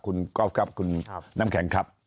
คุณก๊อฟครับคุณน้ำแข็งครับ